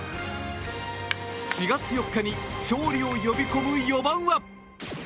４月４日に勝利を呼び込む４番は。